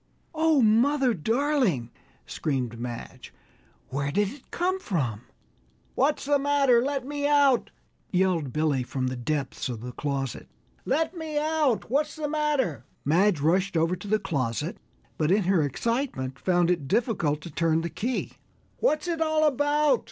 "Oh, mother, darling!" screamed Madge, "where did it come from?" "What's the matter? Let me out!" yelled Billy from the depths of the closet; "let me out! What's the matter?" Madge rushed over to the closet, but in her excitement found it difficult to turn the key. "What's it all about?"